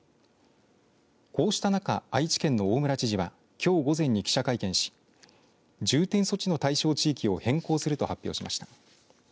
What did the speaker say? こうした中、愛知県の大村知事はきょう午前に記者会見し重点措置の対象地域を変更すると発表しました。